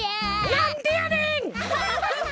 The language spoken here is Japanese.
なんでやねん！